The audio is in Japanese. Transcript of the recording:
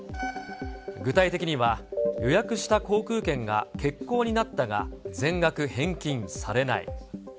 具体的には予約した航空券が欠航になったが、全額返金されない。